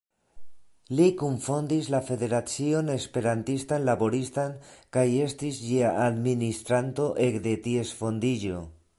Li kunfondis la Federacion Esperantistan Laboristan kaj estis ĝia administranto ekde ties fondiĝo.